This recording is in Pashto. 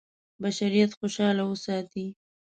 بشریت خوشاله وساتي.